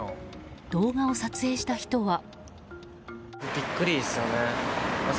動画を撮影した人は。